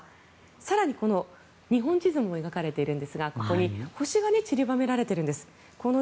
更に、この日本地図も描かれているんですがここに星がちりばめられているんです。